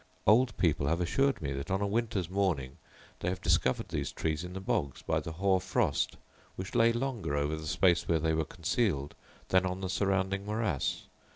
Old people have assured me, that on a winter's morning they have discovered these trees in the bogs, by the hoar frost, which lay longer over the space where they were concealed, than on the surrounding morass.